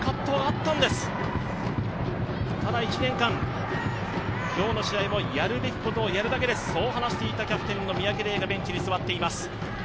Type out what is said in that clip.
ただ１年間、今日の試合もやるべきことをやるだけですそう話していたキャプテンの三宅怜がベンチに座っています。